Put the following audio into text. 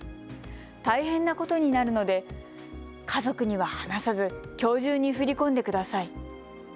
大変なことになるので家族には話さず、きょう中に振り込んでください。